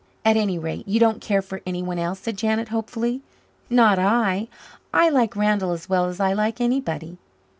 "At any rate, you don't care for anyone else," said Janet hopefully. "Not I. I like Randall as well as I like anybody."